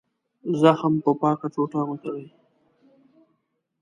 زخم په پاکه ټوټه وتړئ.